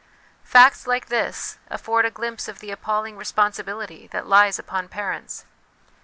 Facts like this afford a glimpse of the appalling responsibility that lies upon parents.